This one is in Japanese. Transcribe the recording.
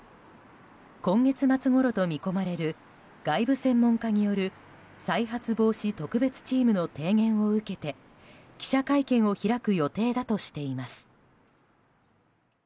今月末ごろと見込まれる外部専門家による再発防止特別チームの提言を受けて記者会見を開く予定だとしています。